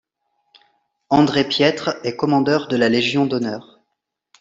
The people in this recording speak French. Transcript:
André Piettre est commandeur de la Légion d'honneur.